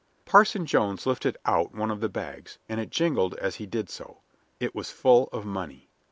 Parson Jones lifted out one of the bags, and it jingled as he did so. It was full of money.